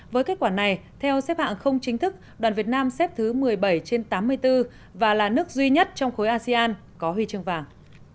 với kết quả này theo xếp hạng không chính thức đoàn việt nam xếp thứ một mươi bảy trên tám mươi bốn và là nước duy nhất trong khối asean có huy chương vàng